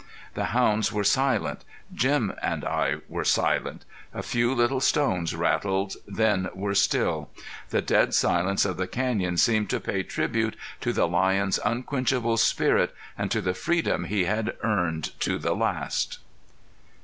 The hounds were silent; Jim and I were silent; a few little stones rattled, then were still. The dead silence of the canyon seemed to pay tribute to the lion's unquenchable spirit and to the freedom he had earned to the last.